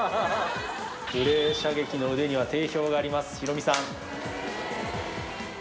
クレー射撃の腕には定評がありますヒロミさん。